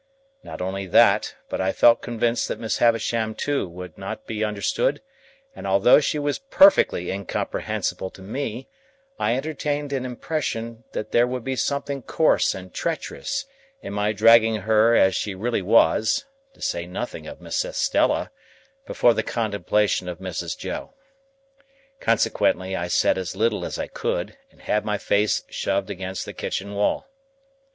Not only that, but I felt convinced that Miss Havisham too would not be understood; and although she was perfectly incomprehensible to me, I entertained an impression that there would be something coarse and treacherous in my dragging her as she really was (to say nothing of Miss Estella) before the contemplation of Mrs. Joe. Consequently, I said as little as I could, and had my face shoved against the kitchen wall.